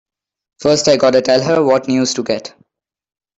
First I gotta tell her what news to get!